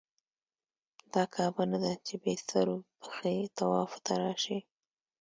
دا کعبه نه ده چې بې سر و پښې طواف ته راشې.